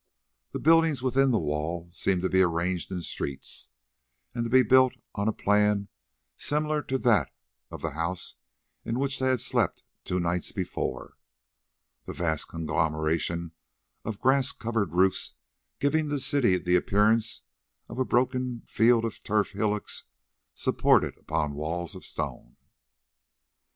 The buildings within the wall seemed to be arranged in streets, and to be build on a plan similar to that of the house in which they had slept two nights before, the vast conglomeration of grass covered roofs giving the city the appearance of a broken field of turf hillocks supported upon walls of stone.